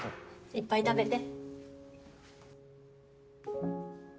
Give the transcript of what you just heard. いっぱい食べて。